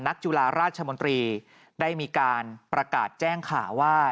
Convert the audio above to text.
จุฬาราชมนตรีได้มีการประกาศแจ้งข่าวว่า